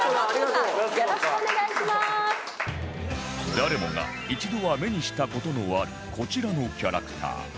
誰もが一度は目にした事のあるこちらのキャラクター